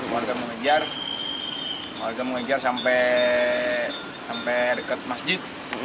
warga mengejar sampai dekat masjid